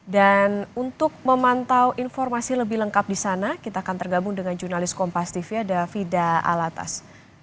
dan untuk memantau informasi lebih lengkap di sana kita akan tergabung dengan jurnalis kompas tv vida alatas